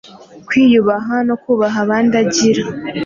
kwiyubaha no kubaha abandi agira.